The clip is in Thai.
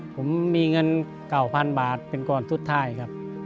ผมมีเงิน๙๐๐๐บาทเป็นก่อนสุดท้ายครับ